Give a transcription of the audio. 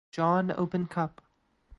John Open Cup